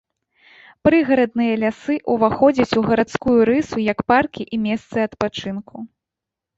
Прыгарадныя лясы ўваходзяць у гарадскую рысу як паркі і месцы адпачынку.